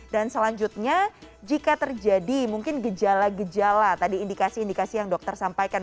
dan selanjutnya jika terjadi mungkin gejala gejala tadi indikasi indikasi yang dokter sampaikan